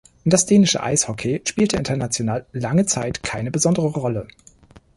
Das dänische Eishockey spielte international lange Zeit keine besondere Rolle.